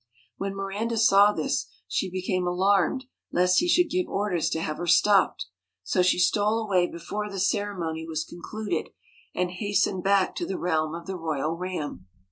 When Miranda saw this, she became alarmed lest he should give orders to have her stopped ; so she stole away before the ceremony was concluded and hastened back to the realm of the royal Ram.